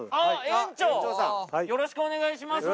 よろしくお願いします